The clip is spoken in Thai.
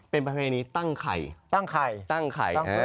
เป็นประเภนีนี้ตั้งไข่